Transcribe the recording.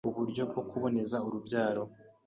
uburyo bwo kuboneza urubyaro